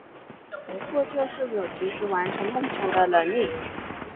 不过就是有及时完成梦想的能力